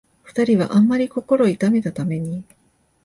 二人はあんまり心を痛めたために、